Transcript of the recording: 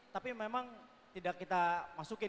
tapi memang tidak kita masukin